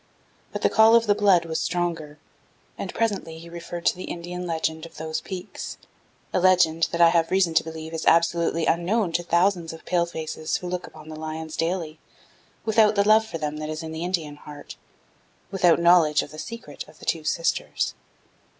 But the "call of the blood" was stronger, and presently he referred to the Indian legend of those peaks a legend that I have reason to believe is absolutely unknown to thousands of Palefaces who look upon "The Lions" daily, without the love for them that is in the Indian heart, without knowledge of the secret of "The Two Sisters."